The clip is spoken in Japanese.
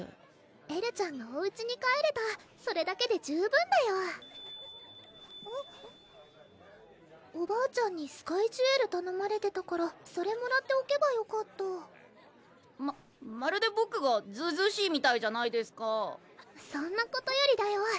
エルちゃんがおうちに帰れたそれだけで十分だよ・・おばあちゃんにスカイジュエルたのまれてたからそれもらっておけばよかったままるでボクがずうずうしいみたいじゃないですかそんなことよりだよ！